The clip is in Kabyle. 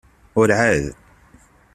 Ur ɛad.